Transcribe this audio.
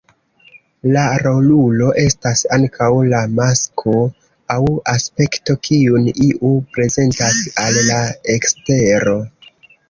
La rolulo estas ankaŭ la masko aŭ aspekto kiun iu prezentas al la ekstero.